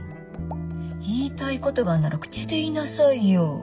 言いたいことがあるなら口で言いなさいよ。